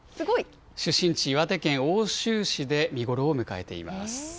出身地、岩手県奥州市で見頃を迎えています。